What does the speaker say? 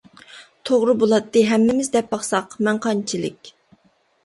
توغرا بولاتتى ھەممىمىز دەپ باقساق مەن قانچىلىك.